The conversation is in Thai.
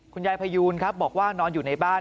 พยูนครับบอกว่านอนอยู่ในบ้าน